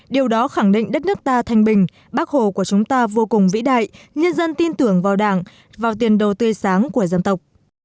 điều đó khẳng định đất nước ta thanh bình bác hồ của chúng ta vô cùng vĩ đại nhân dân tin tưởng vào đảng vào tiền đồ tươi sáng của dân tộc